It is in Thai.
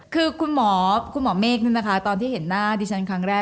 คือคุณหมอคุณหมอเมฆนี่นะคะตอนที่เห็นหน้าดิฉันครั้งแรก